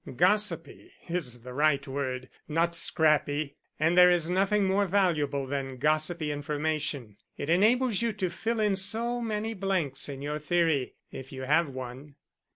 "Gossipy is the right word not scrappy. And there is nothing more valuable than gossipy information; it enables you to fill in so many blanks in your theory if you have one."